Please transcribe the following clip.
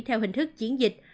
theo hình thức chiến dịch